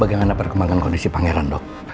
bagaimana perkembangan kondisi pangeran dok